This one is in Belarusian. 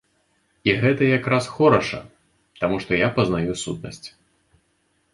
І гэта якраз хораша, таму што я пазнаю сутнасць.